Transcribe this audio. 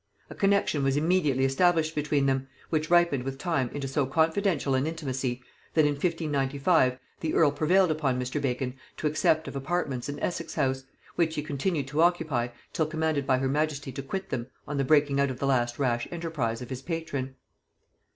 A connexion was immediately established between them, which ripened with time into so confidential an intimacy, that in 1595 the earl prevailed on Mr. Bacon to accept of apartments in Essex house, which he continued to occupy till commanded by her majesty to quit them on the breaking out of the last rash enterprise of his patron.